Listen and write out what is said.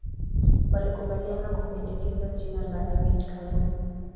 Walikubaliana kupendekeza jina la Abeid Karume